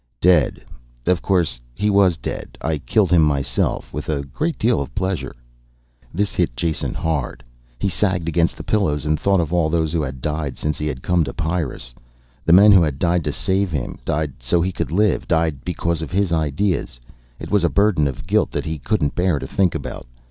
"Dead. Of course he was dead. I killed him myself, with a great deal of pleasure." This hit Jason hard. He sagged against the pillows and thought of all those who had died since he had come to Pyrrus. The men who had died to save him, died so he could live, died because of his ideas. It was a burden of guilt that he couldn't bear to think about.